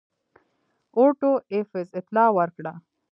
اوټو ایفز اطلاع ورکړه.